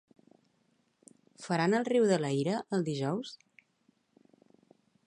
Faran "El riu de la ira" el dijous?